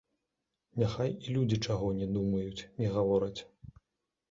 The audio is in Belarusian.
Няхай і людзі чаго не думаюць, не гавораць.